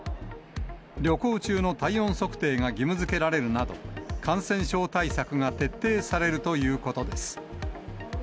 旅行中の体温測定が義務づけられるなど、感染症対策が徹底されるということです。